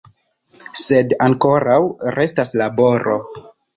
Sed ankoraŭ restas laboro.